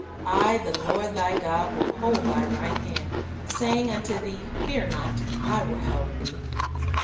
"I the Lord thy God will hold thy right hand, saying unto thee, Fear not; I will 'help thee."